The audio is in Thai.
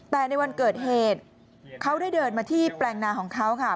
แต่ในวันเกิดเหตุเขาได้เดินมาที่แปลงนาของเขาค่ะ